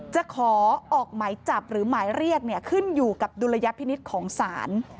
จะขอออกหมายจับหรือหมายเรียกขึ้นอยู่กับดุลยพินิษฐ์ของศาล